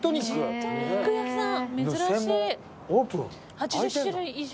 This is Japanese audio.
８０種類以上。